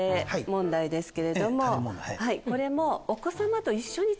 これも。